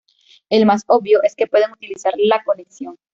El más obvio es que pueden utilizar la conexión.